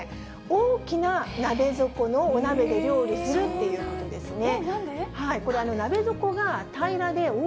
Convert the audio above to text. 大きな鍋底のお鍋で料理するということなんですね。